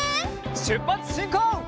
しゅっぱつしんこう！